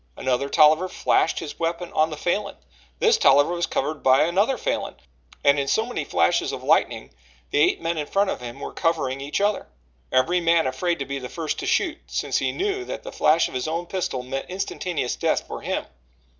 Another Tolliver flashed his weapon on the Falin. This Tolliver was covered by another Falin and in so many flashes of lightning the eight men in front of him were covering each other every man afraid to be the first to shoot, since he knew that the flash of his own pistol meant instantaneous death for him.